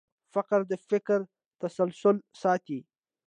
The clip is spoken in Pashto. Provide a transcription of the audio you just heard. فقره د فکر تسلسل ساتي.